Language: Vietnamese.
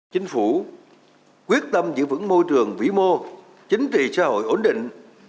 chính phủ quyết tâm giữ vững môi trường vĩ mô chính trị xã hội ổn định